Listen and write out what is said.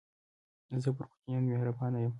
زه پر کوچنيانو مهربانه يم.